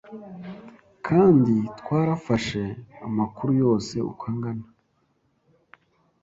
kandi twarafashe amakuru yose uko angana